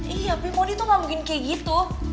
iya pi mondi tuh gak mungkin kayak gitu